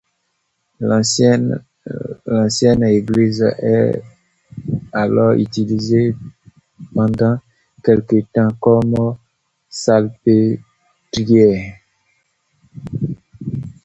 L'ancienne église est alors utilisée pendant quelque temps comme salpêtrière.